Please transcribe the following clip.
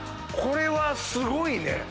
これはすごいね。